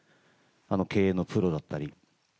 経営のプロだったり。